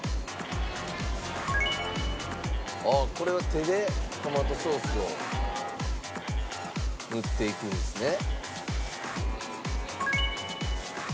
これは手でトマトソースを塗っていくんですね。